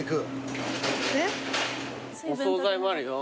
お総菜もあるよ。